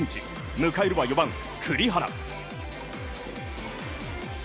迎えるは４番、栗原。